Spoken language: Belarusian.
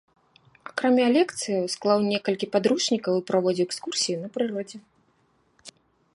Акрамя лекцыяў, склаў некалькі падручнікаў і праводзіў экскурсіі на прыродзе.